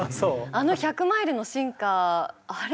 あの１００マイルのシンカーあれ